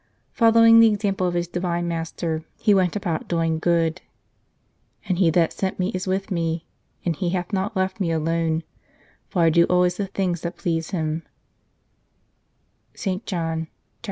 Following the example of his Divine Master, he went about doing good. " And He that sent Me is with Me, and He hath not left Me alone ; for I do always the things that please Him " (St. John viii.